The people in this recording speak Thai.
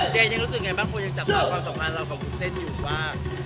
เจนยังรู้สึกยังไงบ้างคุณยังจับมาความสำคัญเรากับคุณเซ็นอยู่บ้าง